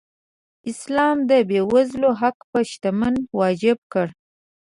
اسلام د بېوزلو حق په شتمن واجب کړی.